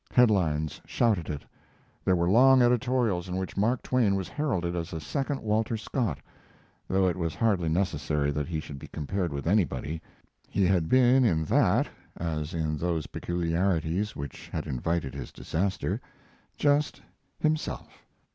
Head lines shouted it, there were long editorials in which Mark Twain was heralded as a second Walter Scott, though it was hardly necessary that he should be compared with anybody; he had been in that as in those peculiarities which had invited his disaster just himself.